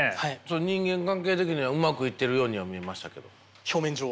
人間関係的にはうまくいっているようには見えましたけれど。